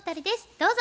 どうぞ。